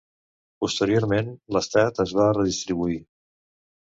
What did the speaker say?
Posteriorment, l'estat es va redistribuir.